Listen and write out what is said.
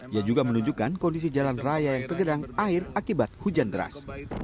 ia juga menunjukkan kondisi jalan raya yang tergedang air akibat hujan deras